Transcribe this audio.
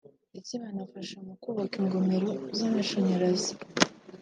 ndetse banafasha mu kubaka ingomero z’amashanyarazi